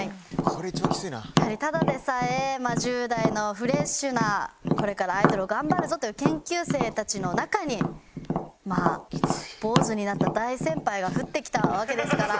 やはりただでさえ１０代のフレッシュなこれからアイドルを頑張るぞという研究生たちの中に坊主になった大先輩が降ってきたわけですから。